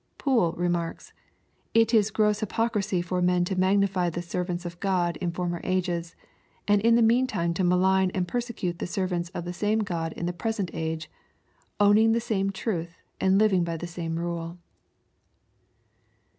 Poole remarks, It is gross hypocrisy for men to magnify the servants of Q od in for mer ages, and in the meantime to malign and persecute the ser vants of the same God in a prese* t age, owning the same truth, and living by the same rule."